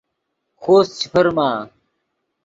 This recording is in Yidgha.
خوست چے فرما